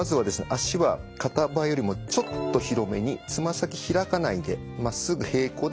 足は肩幅よりもちょっと広めにつま先開かないでまっすぐ平行で開いてみてください。